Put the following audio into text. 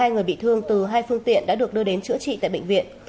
một mươi hai người bị thương từ hai phương tiện đã được đưa đến chữa trị tại bệnh viện